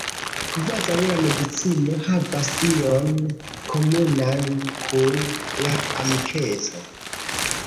Kvazau la medicino havas ion komunan kun la amikeco.